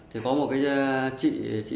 thì có một chị